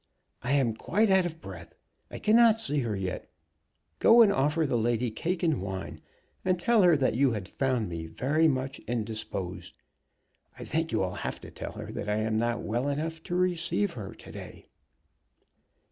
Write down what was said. "I am quite out of breath. I cannot see her yet. Go and offer the lady cake and wine, and tell her that you had found me very much indisposed. I think you will have to tell her that I am not well enough to receive her to day."